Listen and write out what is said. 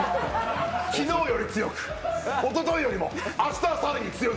昨日より強く、おとといよりも、明日は更に強く。